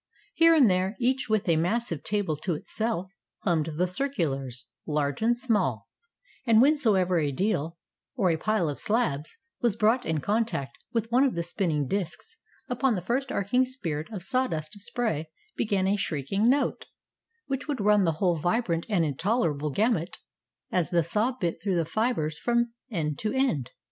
Here and there, each with a massive table to itself, hummed the circulars, large and small; and whensoever a deal, or a pile of slabs, was brought in contact with one of the spinning discs, upon the first arching spirt of sawdust spray began a shrieking note, which would run the whole vibrant and intolerable gamut as the saw bit through the fibres from end to end.